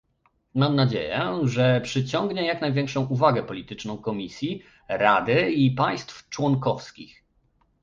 Mam nadzieję, że przyciągnie jak największą uwagę polityczną Komisji, Rady i państw członkowskich